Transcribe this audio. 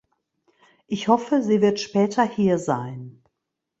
Ich hoffe, sie wird später hier sein.